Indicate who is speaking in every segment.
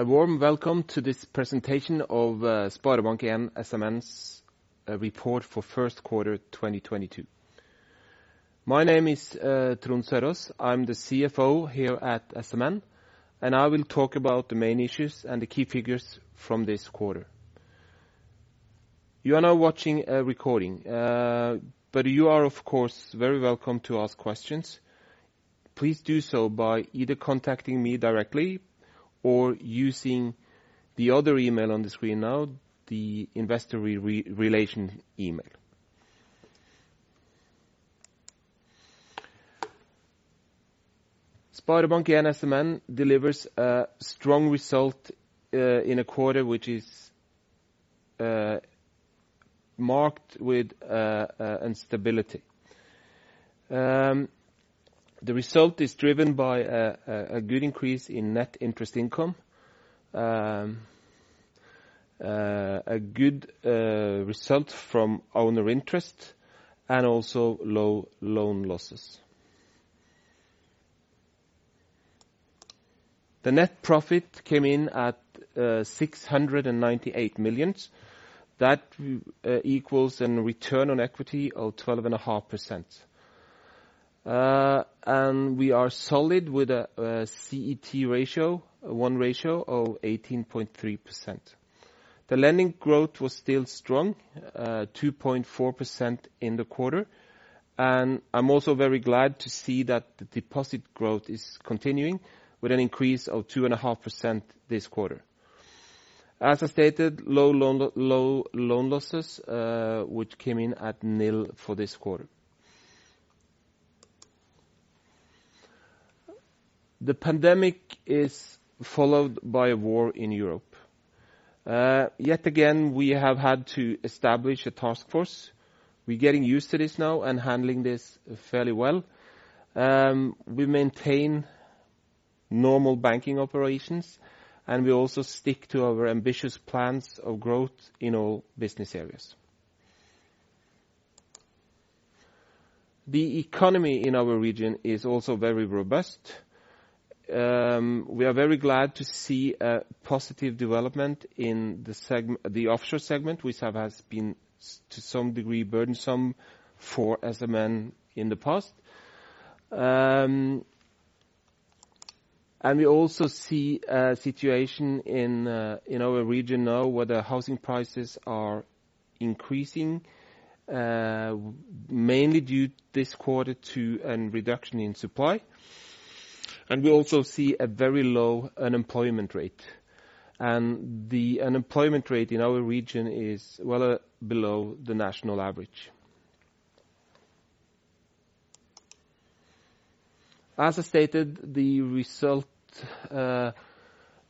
Speaker 1: A warm welcome to this presentation of SpareBank 1 SMN's report for first quarter, 2022. My name is Trond Søraas. I'm the CFO here at SMN, and I will talk about the main issues and the key figures from this quarter. You are now watching a recording, but you are, of course, very welcome to ask questions. Please do so by either contacting me directly or using the other email on the screen now, the investor relations email. SpareBank 1 SMN delivers a strong result in a quarter which is marked with instability. The result is driven by a good increase in net interest income, a good result from owner interest and also low loan losses. The net profit came in at 698 million. That equals a return on equity of 12.5%. We are solid with a CET1 ratio of 18.3%. The lending growth was still strong, 2.4% in the quarter, and I'm also very glad to see that the deposit growth is continuing with an increase of 2.5% this quarter. As I stated, low loan losses, which came in at nil for this quarter. The pandemic is followed by a war in Europe. Yet again, we have had to establish a task force. We're getting used to this now and handling this fairly well. We maintain normal banking operations, and we also stick to our ambitious plans of growth in all business areas. The economy in our region is also very robust. We are very glad to see a positive development in the offshore segment which has been to some degree burdensome for SMN in the past. We also see a situation in our region now where the housing prices are increasing mainly due this quarter to a reduction in supply, and we also see a very low unemployment rate. The unemployment rate in our region is well below the national average. As I stated, the result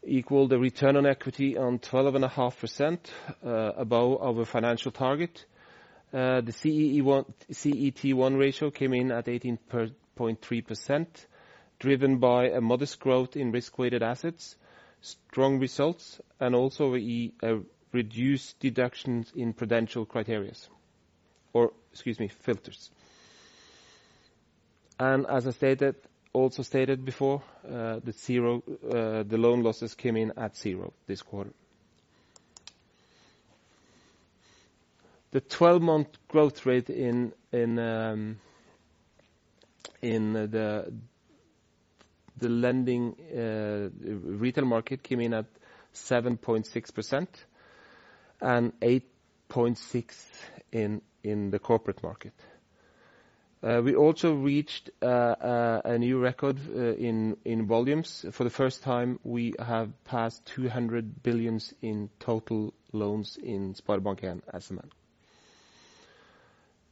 Speaker 1: equals the return on equity of 12.5%, above our financial target. The CET1 ratio came in at 18.3%, driven by a modest growth in risk-weighted assets, strong results, and also reduced deductions in prudential criteria or, excuse me, filters. As I stated before, the loan losses came in at zero this quarter. The twelve-month growth rate in the lending retail market came in at 7.6% and 8.6% in the corporate market. We also reached a new record in volumes. For the first time, we have passed 200 billion in total loans in SpareBank 1 SMN.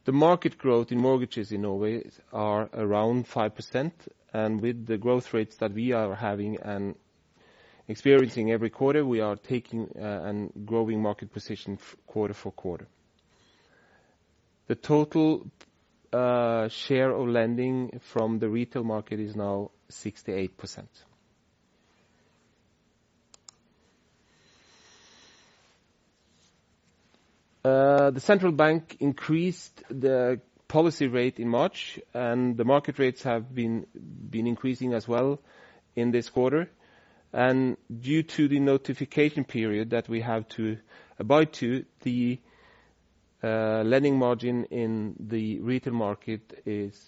Speaker 1: The market growth in mortgages in Norway are around 5%, and with the growth rates that we are having and experiencing every quarter, we are taking a growing market position quarter for quarter. The total share of lending from the retail market is now 68%. The central bank increased the policy rate in March, and the market rates have been increasing as well in this quarter. Due to the notification period that we have to abide by, the lending margin in the retail market is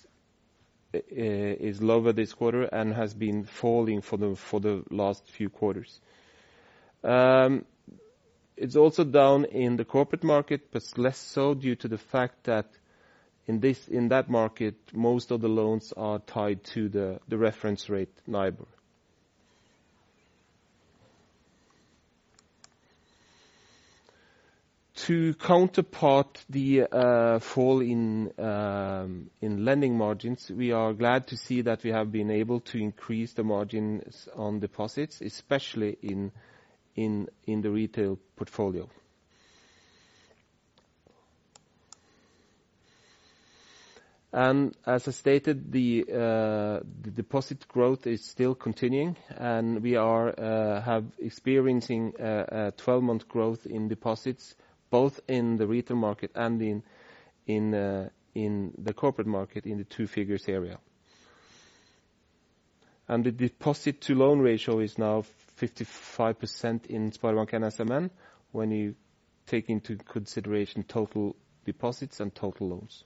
Speaker 1: lower this quarter and has been falling for the last few quarters. It's also down in the corporate market, but less so due to the fact that in that market, most of the loans are tied to the reference rate NIBOR. To counteract the fall in lending margins, we are glad to see that we have been able to increase the margins on deposits, especially in the retail portfolio. As I stated, the deposit growth is still continuing, and we are experiencing a twelve-month growth in deposits both in the retail market and in the corporate market in the two figures area. The deposit to loan ratio is now 55% in SpareBank 1 SMN when you take into consideration total deposits and total loans.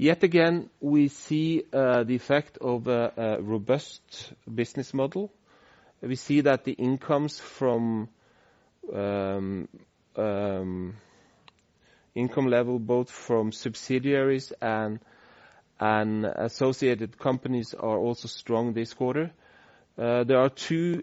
Speaker 1: Yet again, we see the effect of a robust business model. We see that the incomes from income level both from subsidiaries and associated companies are also strong this quarter. There are two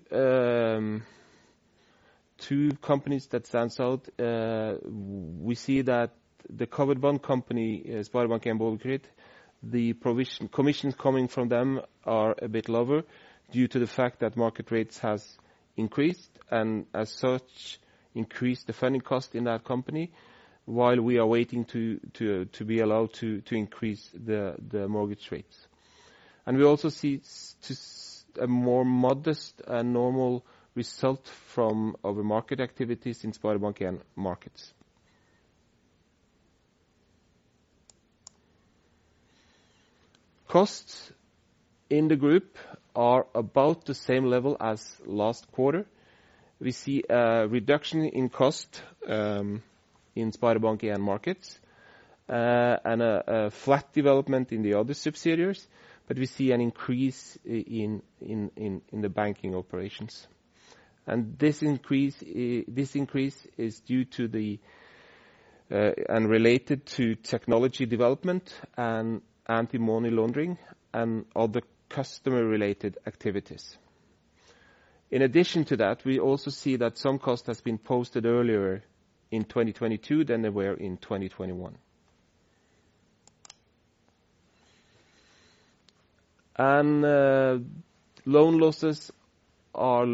Speaker 1: companies that stands out. We see that the covered bond company, SpareBank 1 Boligkreditt, commissions coming from them are a bit lower due to the fact that market rates has increased, and as such increased the funding cost in that company while we are waiting to be allowed to increase the mortgage rates. We also see just a more modest and normal result from our market activities in SpareBank 1 Markets. Costs in the group are about the same level as last quarter. We see a reduction in cost in SpareBank 1 Markets, and a flat development in the other subsidiaries, but we see an increase in the banking operations. This increase is due to the and related to technology development and anti-money laundering and other customer related activities. In addition to that, we also see that some cost has been posted earlier in 2022 than they were in 2021. Loan losses are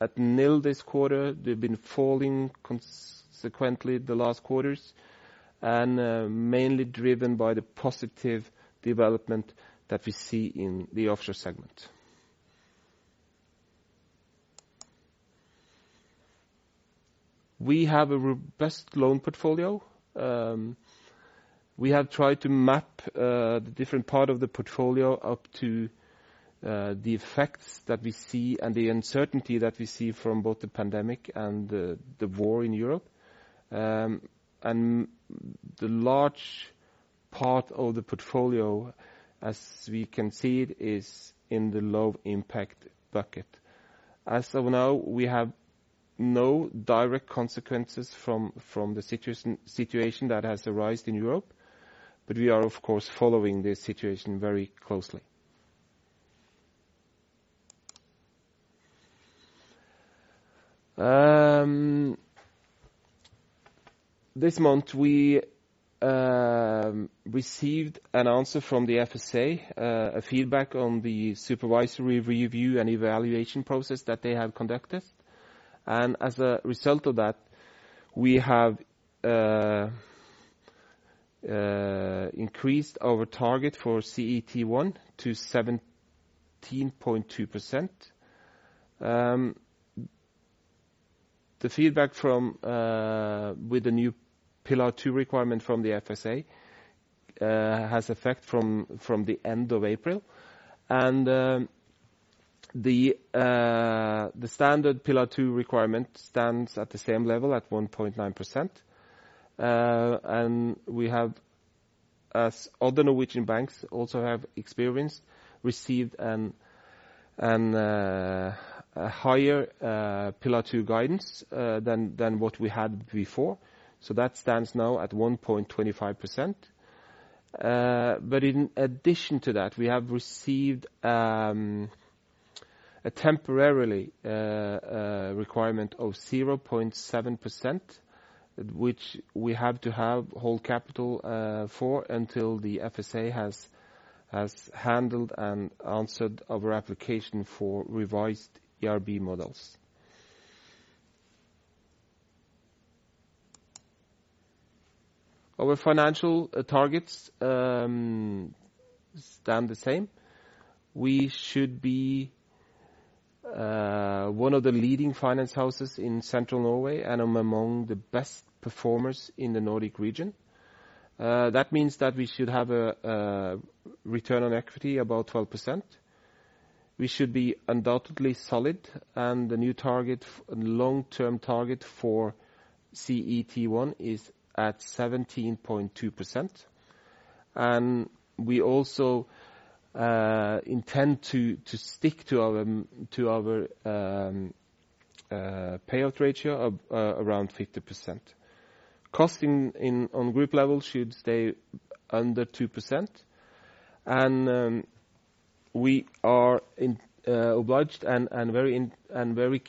Speaker 1: at nil this quarter. They've been falling consistently the last quarters, and mainly driven by the positive development that we see in the offshore segment. We have a robust loan portfolio. We have tried to map the different part of the portfolio up to the effects that we see and the uncertainty that we see from both the pandemic and the war in Europe. The large part of the portfolio, as we can see it, is in the low impact bucket. As of now, we have no direct consequences from the situation that has arisen in Europe, but we are of course following the situation very closely. This month we received an answer from the FSA, a feedback on the supervisory review and evaluation process that they have conducted. As a result of that, we have increased our target for CET1 to 17.2%. The feedback with the new Pillar 2 requirement from the FSA has effect from the end of April. The standard Pillar 2 requirement stands at the same level at 1.9%. We have, as other Norwegian banks also have experienced, received a higher Pillar 2 guidance than what we had before. That stands now at 1.25%. In addition to that, we have received a temporary requirement of 0.7%, which we have to hold capital for until the FSA has handled and answered our application for revised IRB models. Our financial targets stand the same. We should be one of the leading finance houses in central Norway and among the best performers in the Nordic region. That means that we should have a return on equity about 12%. We should be undoubtedly solid and the new long-term target for CET1 is at 17.2%. We also intend to stick to our payout ratio of around 50%. Cost/income on group level should stay under 2%. We are obliged and very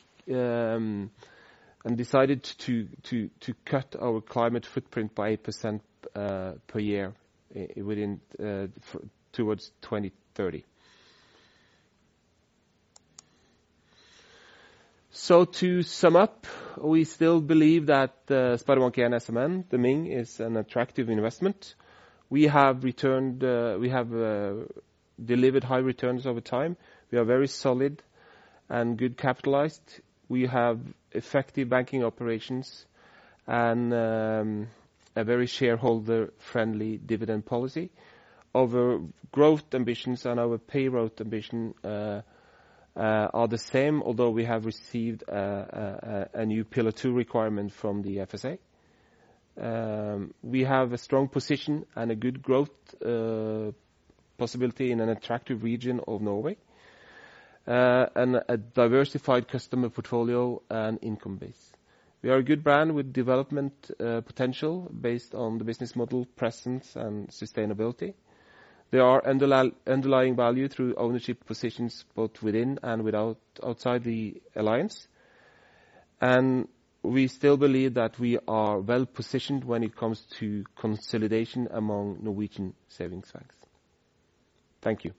Speaker 1: decided to cut our climate footprint by 8% per year towards 2030. To sum up, we still believe that SpareBank 1 SMN, the MING, is an attractive investment. We have delivered high returns over time. We are very solid and well capitalized. We have effective banking operations and a very shareholder-friendly dividend policy. Our growth ambitions and our payout ratio ambition are the same, although we have received a new Pillar 2 requirement from the FSA. We have a strong position and a good growth possibility in an attractive region of Norway and a diversified customer portfolio and income base. We are a good brand with development potential based on the business model, presence, and sustainability. There are underlying value through ownership positions both within and without, outside the alliance. We still believe that we are well-positioned when it comes to consolidation among Norwegian savings banks. Thank you.